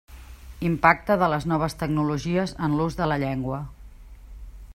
Impacte de les noves tecnologies en l'ús de la llengua.